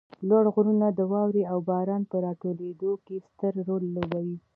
لوړ غرونه د واروې او باران په راټولېدو کې ستر رول لوبوي